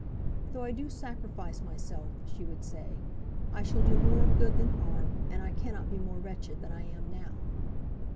"Though I do sacrifice myself," she would say, "I shall do more of good than harm, and I cannot be more wretched than I am now."